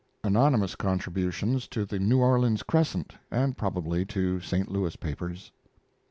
Anonymous contributions to the New Orleans Crescent and probably to St. Louis papers.